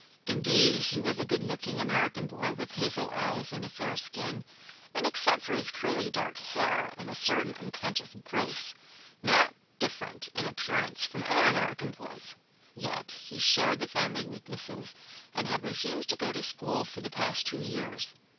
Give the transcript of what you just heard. Indeed, he was a good looking American boy with hazel eyes and a fair skin and, except for his curly dark hair and a certain unconscious grace, not different in appearance from other American boys. Yet he shared the family weaknesses and had refused to go to school for the past two years.